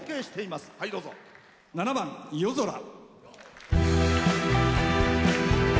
７番「夜空」。